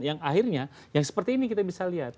yang akhirnya yang seperti ini kita bisa lihat